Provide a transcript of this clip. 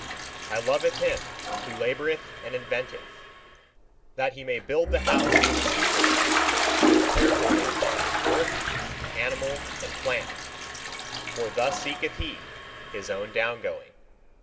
I love him who laboureth and inventeth, that he may build the house for the Superman, and prepare for him earth, animal, and plant: for thus seeketh he his own down going.